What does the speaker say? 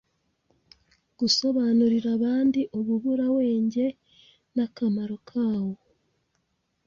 Gusobanurira abandi ububurawenge n’akamaro kawo